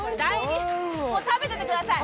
もう食べててください。